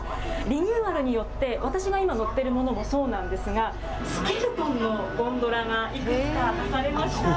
リニューアルによって、私が今乗ってるものもそうなんですが、スケルトンのゴンドラがいくつか出されました。